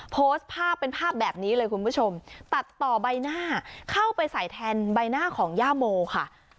โพสต์ภาพเป็นภาพแบบนี้เลยคุณผู้ชมตัดต่อใบหน้าเข้าไปใส่แทนใบหน้าของย่าโมค่ะ